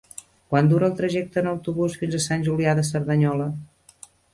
Quant dura el trajecte en autobús fins a Sant Julià de Cerdanyola?